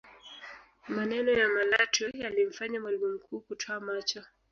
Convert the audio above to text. maneno ya malatwe yalimfanya mwalimu mkuu kutoa macho